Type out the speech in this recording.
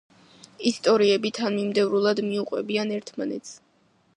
ისტორიები თანმიმდევრულად მიუყვებიან ერთმანეთს.